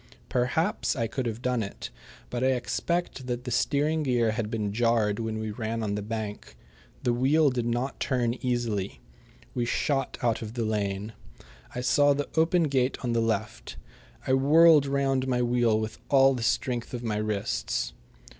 Perhaps I could have done it, but I expect that the steering gear had been jarred when we ran on the bank. The wheel did not turn easily. We shot out of the lane. I saw the open gate on the left. I whirled round my wheel with all the strength of my wrists.